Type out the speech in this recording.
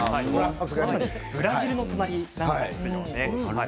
ブラジルの隣なんですよね。